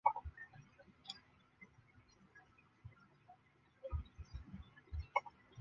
由关闸开始沿昔日西海岸到妈阁的传统道路至今仍然是澳门环城干线的一部分。